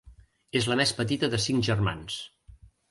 És la més petita de cinc germans.